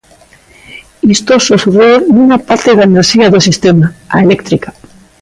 Isto só sucede nunha parte da enerxía do sistema, a eléctrica.